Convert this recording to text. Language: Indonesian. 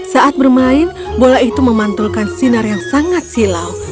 saat bermain bola itu memantulkan sinar yang sangat silau